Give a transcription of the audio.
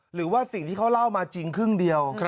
หรือว่าสิ่งที่เขาเล่ามาจริงครึ่งเดียว